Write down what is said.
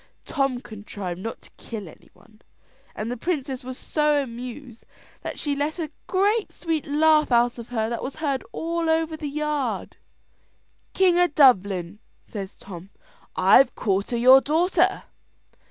Tom contrived not to kill any one; and the princess was so amused, that she let a great sweet laugh out of her that was heard over all the yard. "King of Dublin," says Tom, "I've quarter your daughter."